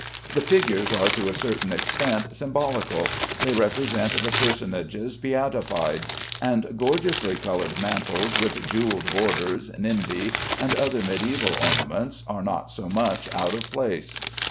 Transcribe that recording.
The figures are to a certain extent symbolical; they represent the personages beatified; and gorgeously colored mantles with jewelled borders, nimbi, and other mediæval ornaments are not so much out of place.